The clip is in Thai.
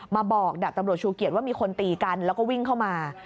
มาบอกดับตำรวจชูเกียจว่ามีคนตีกันแล้วก็วิ่งเข้ามา